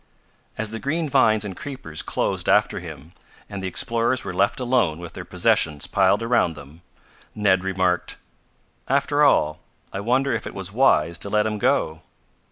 As the green vines and creepers closed after him, and the explorers were left alone with their possessions piled around them, Ned remarked: "After all, I wonder if it was wise to let him go?"